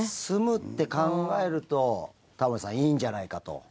住むって考えるとタモリさんいいんじゃないかと。